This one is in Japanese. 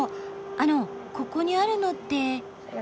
あのここにあるのって。